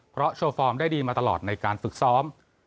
เพราะโชว์ฟอร์มได้ดีมาตลอดในการฝึกซ้อม